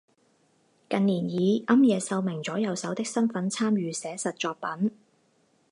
近年以庵野秀明左右手的身份参与写实作品。